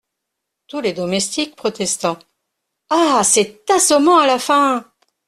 Tous Les Domestiques , protestant. — Ah ! c’est assommant à la fin !…